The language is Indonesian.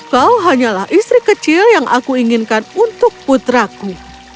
kau hanyalah istri kecil yang aku inginkan untuk putraku